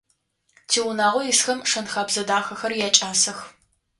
Тиунагъо исхэм шэн-хэбзэ дахэхэр якӀасэх.